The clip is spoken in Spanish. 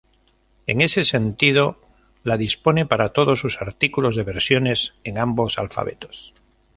En ese sentido, la dispone para todos sus artículos de versiones en ambos alfabetos.